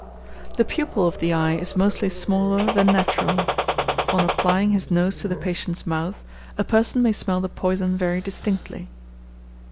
The pupil of the eye is mostly smaller than natural. On applying his nose to the patient's mouth, a person may smell the poison very distinctly.